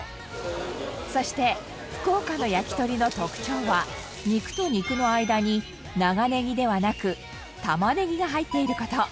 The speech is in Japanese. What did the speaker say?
そして福岡の焼き鳥の特徴は肉と肉の間に長ねぎではなく玉ねぎが入っている事。